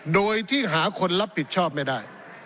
โดยที่หาคนรับผิดชอบไม่ได้